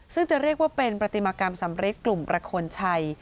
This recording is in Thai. ซึ่งจะเรียกว่าเป็นปฏิมากรรมสำริดกลุ่มประโคนชัย